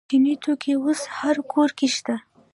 چیني توکي اوس هر کور کې شته.